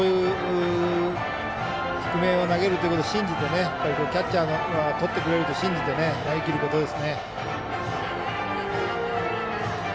低めを投げるということを信じて、キャッチャーがとってくれると信じて投げきることです。